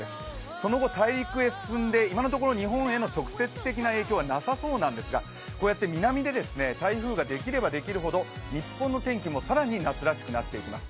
その後、大陸へ進んで、今のところ日本への直接的な影響、なさそうなんですが南で台風ができればできるほど日本の天気も更に夏らしくなっていきます。